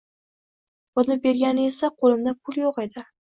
Buni bergani esa, qoʻlimda pul yoʻq edi